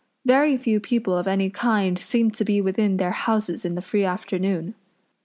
Very few people of any kind seem to be within their houses in the free afternoon.